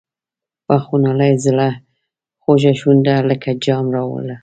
په خونړي زړه خوږه شونډه لکه جام راوړه.